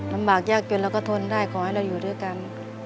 ลำบากยากจนเราก็ทนได้ขอให้เราอยู่ด้วยกัน